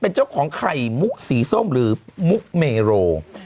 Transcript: เป็นเจ้าของไข่มุกสีส้มหรือมุกเมโร